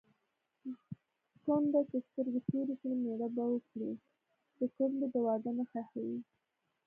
کونډه چې سترګې تورې کړي مېړه به وکړي د کونډې د واده نښه ښيي